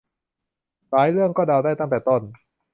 หลายเรื่องก็เดาได้ตั้งแต่ต้น